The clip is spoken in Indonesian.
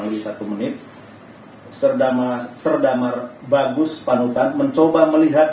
mencoba melihat pradama ardhanu dan pratumar agus keluar dari ruangan kesehatan